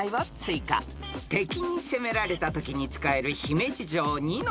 ［敵に攻められたときに使える姫路城にノ